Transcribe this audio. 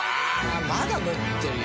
まだ持ってるよ。